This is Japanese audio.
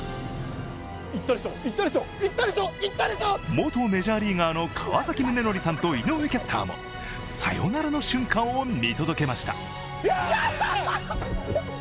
元メジャーリーガーの川崎宗則さんと井上キャスターも、サヨナラの瞬間を見届けました。